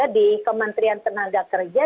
di kementerian tenaga kerja